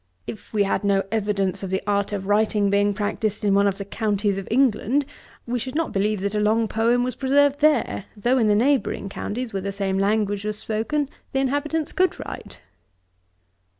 If we had no evidence of the art of writing being practised in one of the counties of England, we should not believe that a long poem was preserved there, though in the neighbouring counties, where the same language was spoken, the inhabitants could write.'